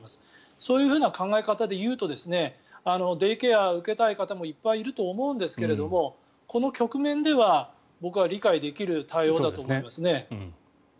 そういう考え方でいうとデイケアを受けたい方もいっぱいいると思うんですがこの局面では僕は理解できる対応だと思います。